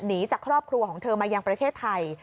หนีจากครอบครัวของเธอมายังประเทศไทย